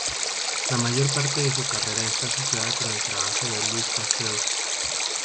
La mayor parte de su carrera está asociada con el trabajo de Louis Pasteur.